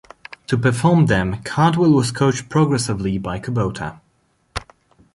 To perform them, Cardwell was coached progressively by Kubota.